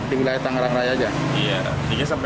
di wilayah tangerang raya aja